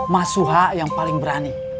masuha yang paling berani